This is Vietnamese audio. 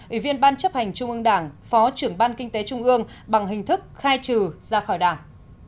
ủy viên ban chấp hành trung ương đảng phó trưởng ban kinh tế trung ương bằng hình thức khai trừ ra khỏi đảng